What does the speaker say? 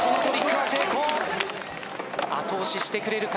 後押ししてくれるか？